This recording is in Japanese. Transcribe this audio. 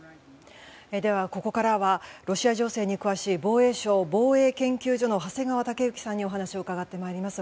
ここからはロシア情勢に詳しい防衛省防衛研究所の長谷川雄之さんにお話を伺ってまいります。